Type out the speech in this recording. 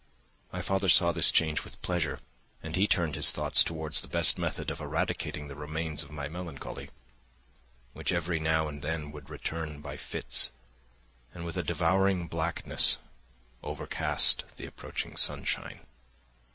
My father saw this change with pleasure, and he turned his thoughts towards the best method of eradicating the remains of my melancholy, which every now and then would return by fits, and with a devouring blackness overcast the approaching sunshine.